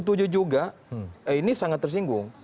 setuju juga ini sangat tersinggung